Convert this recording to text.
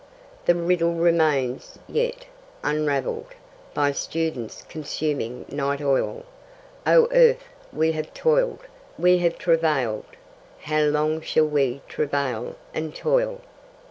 The riddle remains yet, unravell'd By students consuming night oil. O earth! we have toil'd, we have travailed: How long shall we travail and toil?